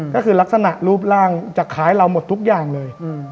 ก็คือลักษณะรูปร่างจะคล้ายเราหมดทุกอย่างเลย